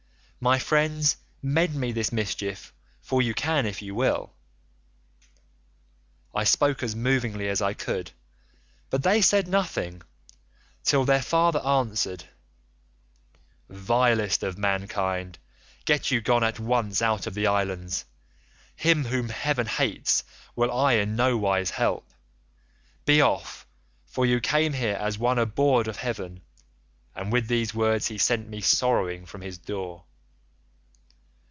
My friends, mend me this mischief, for you can if you will.' "I spoke as movingly as I could, but they said nothing, till their father answered, 'Vilest of mankind, get you gone at once out of the island; him whom heaven hates will I in no wise help. Be off, for you come here as one abhorred of heaven.' And with these words he sent me sorrowing from his door.